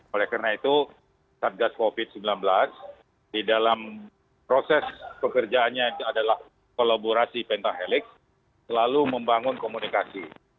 oleh karena itu satgas covid sembilan belas di dalam proses pekerjaannya adalah kolaborasi pentahelix selalu membangun komunikasi